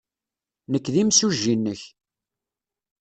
Nekk d imsujji-nnek.